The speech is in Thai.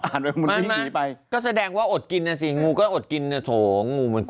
แล้วเล่าไงโดนสรุปมันเดตมั้ย